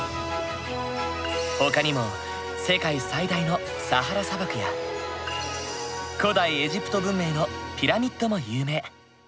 ほかにも世界最大のサハラ砂漠や古代エジプト文明のピラミッドも有名。